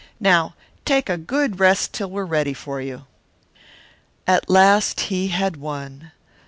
Now take a good rest till we're ready for you." At last he had won.